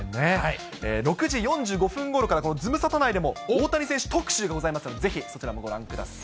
６時４５分ごろからズムサタ内でも大谷選手特集がございますので、ぜひそちらもご覧ください。